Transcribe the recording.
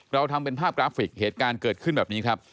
เราทำเป็นภาพกราฟิกเหตุการณ์เกิดขึ้นแบบนี้ครับ